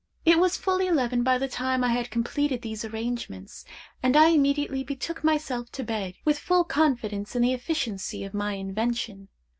"It was fully eleven by the time I had completed these arrangements, and I immediately betook myself to bed, with full confidence in the efficiency of my invention.